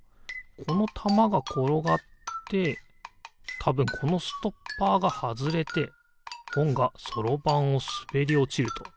このたまがころがってたぶんこのストッパーがはずれてほんがそろばんをすべりおちると。